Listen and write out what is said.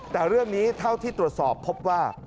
แต่เรื่องนี้เท่าที่ตรวจสอบพบว่า